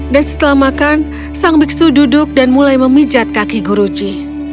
dan setelah makan sang biksu duduk dan mulai memijat kaki guruji